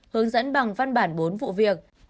hướng dẫn bằng văn bản bốn vụ việc